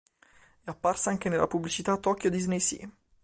È apparsa anche nella pubblicità "Tokyo Disney Sea".